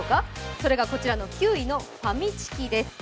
それがこちらの９位のファミチキです。